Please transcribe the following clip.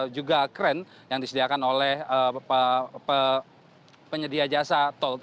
juga kren yang disediakan oleh penyedia jasa tol